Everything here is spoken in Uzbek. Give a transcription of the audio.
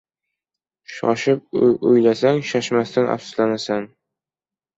Shoshib uylansang, shoshmasdan afsuslanasan.